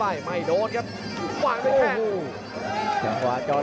พยายามจะตีจิ๊กเข้าที่ประเภทหน้าขาครับ